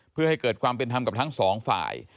เพื่อให้เกิดความเป็นธรรมกับทั้งสองฝ่าย